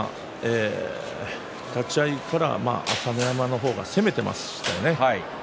立ち合いから朝乃山の方が攻めていましたよね。